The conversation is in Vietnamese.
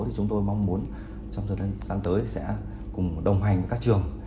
thì chúng tôi mong muốn trong thời gian sáng tới sẽ cùng đồng hành các trường